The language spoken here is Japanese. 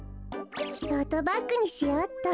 トートバッグにしようっと。